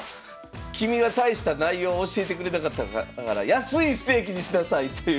「君は大した内容を教えてくれなかったから安いステーキにしなさい」という。